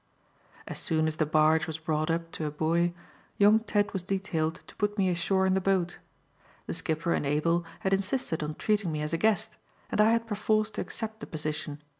As soon as the barge was brought up to a buoy, young Ted was detailed to put me ashore in the boat. The skipper and Abel had insisted on treating me as a guest, and I had perforce to accept the position.